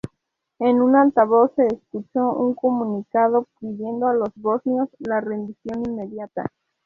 En un altavoz se escuchó un comunicado pidiendo a los bosnios la rendición inmediata.